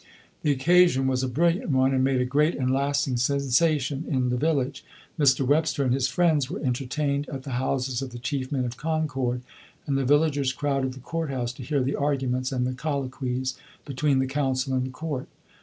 The occasion was a brilliant one, and made a great and lasting sensation in the village. Mr. Webster and his friends were entertained at the houses of the chief men of Concord, and the villagers crowded the court house to hear the arguments and the colloquies between the counsel and the court.